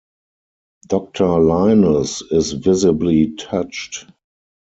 Doctor Linus is visibly touched.